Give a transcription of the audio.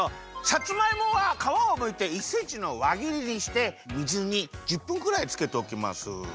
さつまいもはかわをむいて１センチのわぎりにして水に１０分くらいつけておきます。